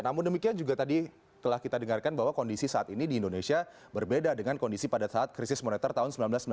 namun demikian juga tadi telah kita dengarkan bahwa kondisi saat ini di indonesia berbeda dengan kondisi pada saat krisis moneter tahun seribu sembilan ratus sembilan puluh